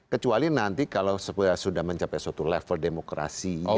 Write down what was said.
kecuali nanti kalau sudah mencapai suatu level demokrasi